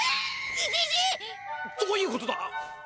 イシシ！どういうことだ！